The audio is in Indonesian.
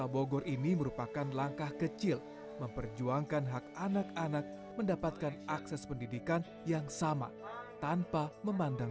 bima memperjuangkan hak anak anak mendapatkan akses pendidikan yang sama tanpa memandang